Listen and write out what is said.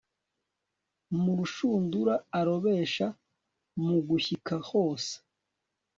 mu rushundura arobesha mugushyika hose